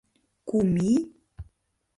Кум ий?!